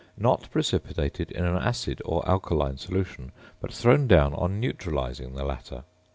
_Not precipitated in an acid or alkaline solution, but thrown down on neutralising the latter.